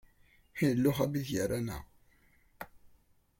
Yella uxabit gar-aneɣ.